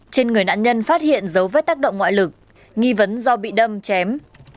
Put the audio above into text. trên người nạn nhân phát hiện dấu vết tác động ngoại lực nghi vấn do bị đâm chém